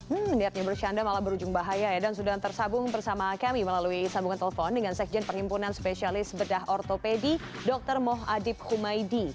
hmm niatnya bercanda malah berujung bahaya ya dan sudah tersabung bersama kami melalui sambungan telepon dengan sekjen perhimpunan spesialis bedah ortopedi dr moh adib humaydi